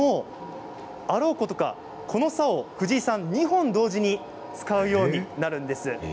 あろうことか、このさおを藤井さんは２本同時に使うようになるんです。